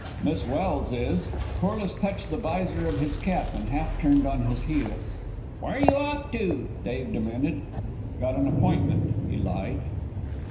"Miss Welse is." Corliss touched the visor of his cap and half turned on his heel. "Where're you off to?" Dave demanded. "Got an appointment," he lied.